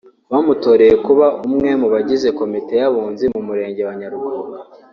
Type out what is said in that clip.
bamutoreye kuba umwe mu bagize komite y’Abunzi mu Murenge wa Nyarugunga